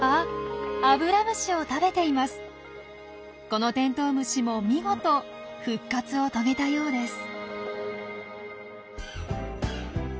このテントウムシも見事復活を遂げたようです！